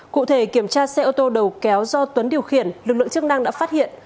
cụ thể kiểm tra xe ô tô đầu kéo do tuấn điều khiển lực lượng chức năng đã phát hiện